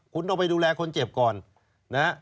คุณต้องไปดูแลคนเจ็บก่อนนะฮะ